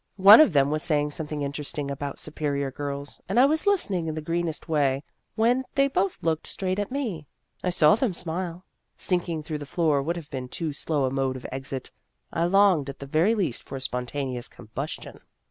One of them was saying something interesting about su perior girls, and I was listening in the greenest way, when they both looked straight at me. I saw them smile. Sink ing through the floor would have been too slow a mode of exit ; I longed at the very least for spontaneous combustion.